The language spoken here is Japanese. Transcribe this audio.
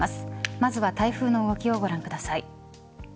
まずは台風の動きをご覧ください。